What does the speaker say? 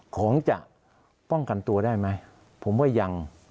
ของจะป้องกันตัวได้ไหมผมว่ายัง